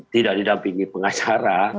tidak didampingi pengacara